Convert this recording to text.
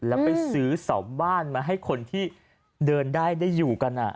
แล้วไปซื้อเสาบ้านมาให้คนที่เดินได้ได้อยู่กัน